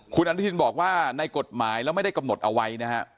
ขุนฐานบอกว่าในกฎหมายแล้วไม่ได้กำหนดเอาไว้นะครับ